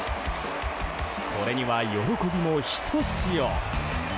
これには喜びもひとしお。